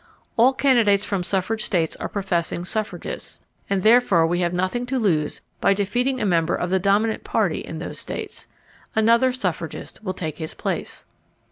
All candidates from suffrage states are professing suffragists, and therefore we have nothing to lose by defeating a member of the dominant party in those states. Another suffragist will take his place.